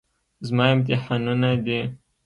زما امتحانونه دي.